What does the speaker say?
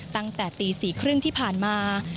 ตั้งแต่ตี๔๓๐ที่ผ่านมา